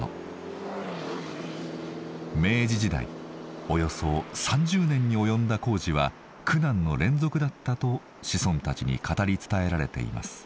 明治時代およそ３０年に及んだ工事は苦難の連続だったと子孫たちに語り伝えられています。